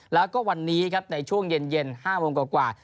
แล้วก็วันนี้ครับในช่วงเย็น๕โมงกว่า